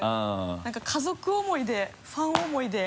なんか家族思いでファン思いで。